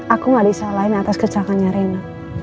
aku gak disalahin atas kecelakaannya rena